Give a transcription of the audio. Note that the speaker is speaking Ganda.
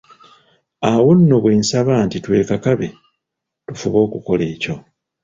Awo nno bwe nsaba nti twekakabe, tufube okukola ekyo!